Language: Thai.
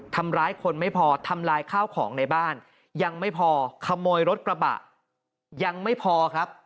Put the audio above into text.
ทำร้ายคนไม่พอทำลายข้าวของในบ้านยังไม่พอขโมยรถกระบะยังไม่พอครับ